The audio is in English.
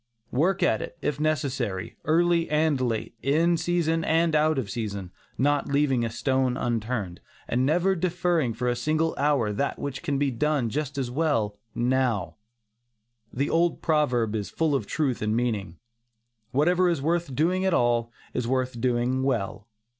Work at it, if necessary, early and late, in season and out of season, not leaving a stone unturned, and never deferring for a single hour that which can be done just as well now. The old proverb is full of truth and meaning, "Whatever is worth doing at all, is worth doing well."